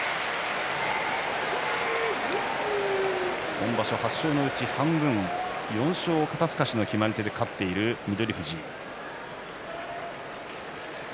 今場所８勝のうち半分、４勝、肩すかしの決まり手で勝っている翠富士。